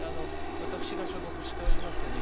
私が所属しております